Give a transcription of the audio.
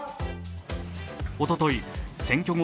おととい選挙後